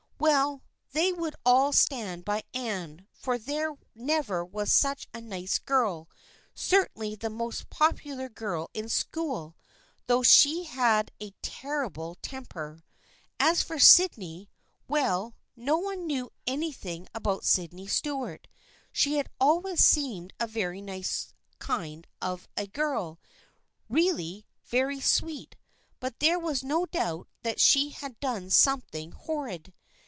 Well, they would all stand by Anne, for there never was such a nice girl, certainly the most popular girl in school, though she had a terrible temper. As for Sydney — well, no one knew any thing about Sydney Stuart. She had always seemed a very nice kind of a girl, really very sweet, but there was no doubt that she had done something horrid.